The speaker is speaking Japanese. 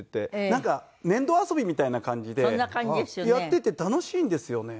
なんか粘土遊びみたいな感じでやってて楽しいんですよね。